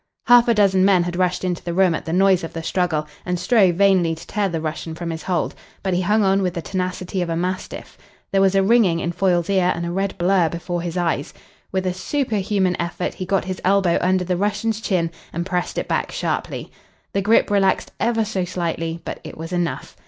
Half a dozen men had rushed into the room at the noise of the struggle, and strove vainly to tear the Russian from his hold. But he hung on with the tenacity of a mastiff. There was a ringing in Foyle's ear and a red blur before his eyes. With a superhuman effort he got his elbow under the Russian's chin and pressed it back sharply. The grip relaxed ever so slightly, but it was enough.